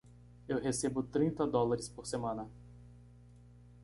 Eu recebo trinta dólares por semana.